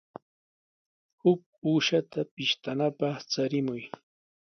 Huk uushata pishtanapaq charimuy.